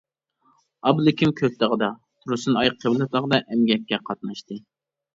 ئابلىكىم كۆك تاغدا، تۇرسۇنئاي قىبلە تاغدا ئەمگەككە قاتناشتى.